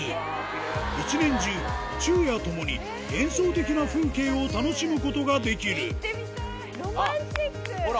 一年中昼夜ともに幻想的な風景を楽しむことができるほら！